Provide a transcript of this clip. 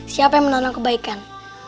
siapa yang menonong kebaikan